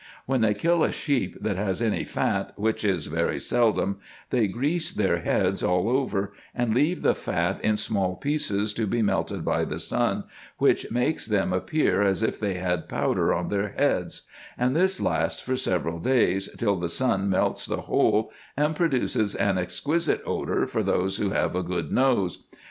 When they kill a sheep that has any fat, which is very seldom, they grease their heads all over, and leave the fat in small pieces to be melted by the sun, which makes them appear as if they had powder on their heads ; and this lasts for several days, till the sun melts the whole, and produces an exquisite odour for those who have a good nose.